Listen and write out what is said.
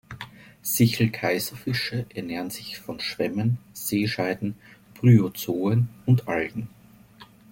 Sichel-Kaiserfische ernähren sich von Schwämmen, Seescheiden, Bryozoen und Algen.